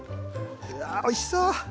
うわおいしそう！